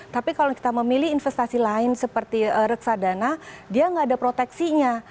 tapi kalau kita memilih investasi lain seperti reksadana dia nggak ada proteksinya